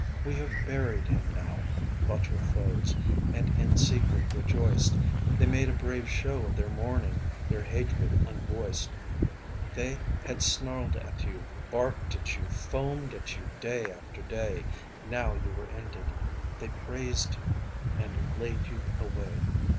"We have buried him now," thought your foes, and in secret rejoiced. They made a brave show of their mourning, their hatred unvoiced. They had snarled at you, barked at you, foamed at you, day after day. Now you were ended. They praised you ... and laid you away.